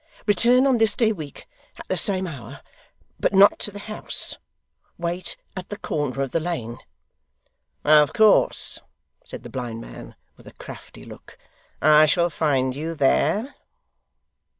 Return on this day week, at the same hour, but not to the house. Wait at the corner of the lane.' 'Of course,' said the blind man, with a crafty look, 'I shall find you there?